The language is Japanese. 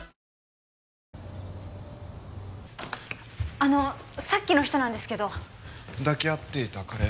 あのさっきの人なんですけど抱き合っていた彼？